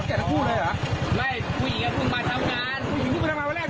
คนนี้เลยพาไปก็ป่าไปตะบาย